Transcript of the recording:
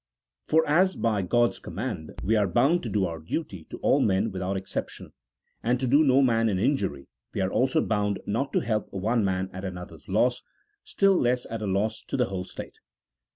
For as by God's command we are bound to do our duty to all men without exception, and to do no man an injury, we are also bound not to help one man at another's loss, still less at a loss to the whole state.